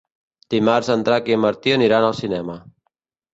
Dimarts en Drac i en Martí aniran al cinema.